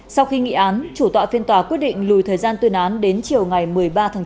sau khi nghị án chủ tọa phiên tòa quyết định lùi thời gian tuyên án đến chiều ngày một mươi ba tháng chín